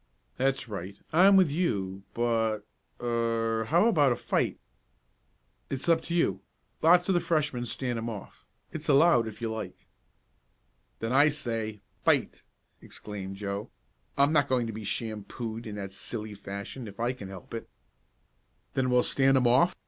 "That's right. I'm with you but er how about a fight?" "It's up to you. Lots of the Freshmen stand 'em off. It's allowed if you like." "Then I say fight!" exclaimed Joe. "I'm not going to be shampooed in that silly fashion if I can help it." "Then we'll stand 'em off?"